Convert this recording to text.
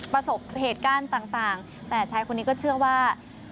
ประสบเหตุการณ์ต่างแต่ชายคนนี้ก็เชื่อว่า